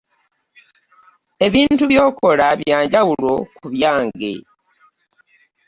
Ebintu by'okola byanjawulo ku byange.